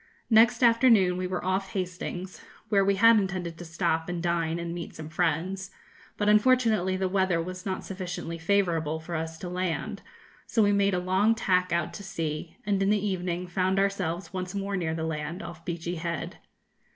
Next afternoon we were off Hastings, where we had intended to stop and dine and meet some friends; but, unfortunately the weather was not sufficiently favourable for us to land; so we made a long tack out to sea, and, in the evening, found ourselves once more near the land, off Beachy Head.